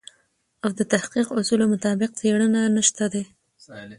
او د تحقیق اصولو مطابق څېړنه نشته دی.